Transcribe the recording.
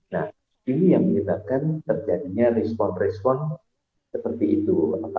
nah ini yang menyebabkan terjadinya respon respon seperti itu